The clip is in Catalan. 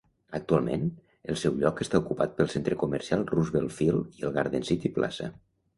Actualment, el seu lloc està ocupat pel centre comercial Roosevelt Field i el Garden City Plaza.